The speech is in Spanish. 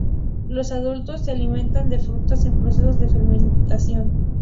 Los adultos se alimentan de frutas en proceso de fermentación.